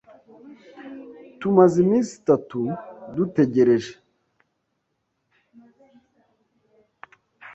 Tumaze iminsi itatu dutegereje.